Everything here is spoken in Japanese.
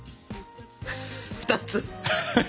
２つ？